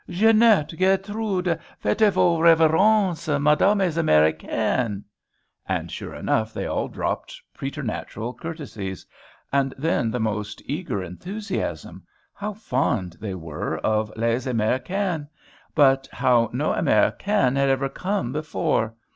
Jeannette, Gertrude, faites vos révérences. Madame est Americaine." And, sure enough, they all dropped preternatural courtesies. And then the most eager enthusiasm; how fond they all were of les Americaines, but how no Americaines had ever come before!